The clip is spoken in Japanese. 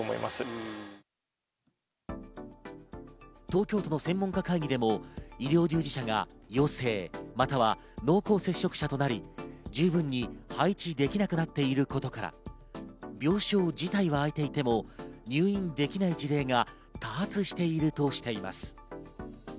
東京都の専門家会議でも医療従事者が陽性、または濃厚接触者となり、十分に配置できなくなっていることから、病床自体が空いていても入院できない事例が多発しているとしています。